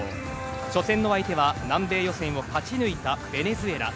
初戦の相手は南米予算を勝ち抜いたベネズエラ。